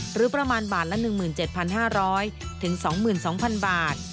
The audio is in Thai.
หรือประมาณบาทละ๑๗๕๐๐๒๒๐๐๐บาท